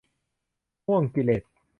ห้วงกิเลส